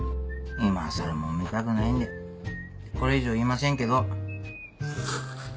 今さらもめたくないんでこれ以上言いませんけど。